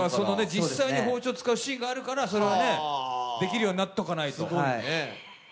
実際に包丁を使うシーンがあるからできるようになっとかないと。